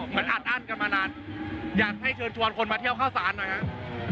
อัดอั้นกันมานานอยากให้เชิญชวนคนมาเที่ยวข้าวสารหน่อยครับ